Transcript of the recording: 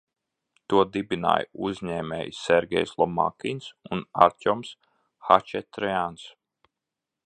To dibināja uzņēmēji Sergejs Lomakins un Artjoms Hačatrjans.